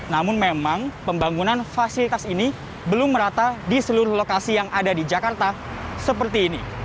namun memang pembangunan fasilitas ini belum merata di seluruh lokasi yang ada di jakarta seperti ini